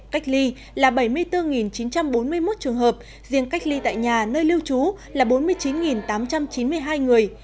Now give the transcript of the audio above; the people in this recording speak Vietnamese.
cách ly là bảy mươi bốn chín trăm bốn mươi một trường hợp riêng cách ly tại nhà nơi lưu trú là bốn mươi chín tám trăm chín mươi hai người